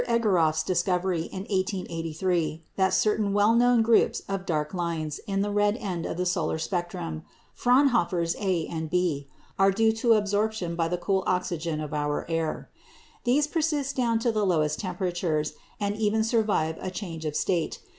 Egoroff's discovery in 1883 that certain well known groups of dark lines in the red end of the solar spectrum (Fraunhofer's A and B) are due to absorption by the cool oxygen of our air. These persist down to the lowest temperatures, and even survive a change of state.